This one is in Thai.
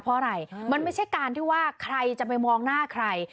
เพราะอะไรมันไม่ใช่การที่ว่าใครจะไปมองหน้าใคร